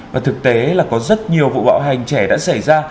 và thực tế là có rất nhiều vụ bạo hành trẻ đã xảy ra